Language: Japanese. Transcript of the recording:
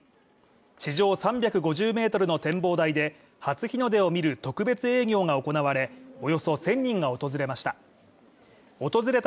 地上３５０ｍの展望台で初日の出を見る特別営業が行われおよそ１０００人が訪れました。